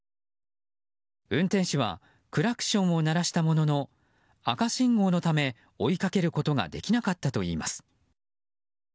運転手はクラクションを鳴らしたものの赤信号のため追いかけることができなかったといいます。